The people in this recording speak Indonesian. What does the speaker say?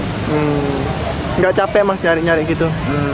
tidak capek mas nyari nyari gitu